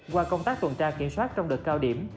qua công tác tuần tra kiểm soát trong đợt cao điểm